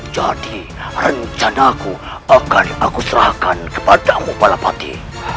jadi rencana aku akan aku serahkan kepada mu balapati